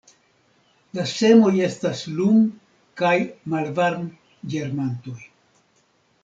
La semoj estas lum- kaj malvarm-ĝermantoj.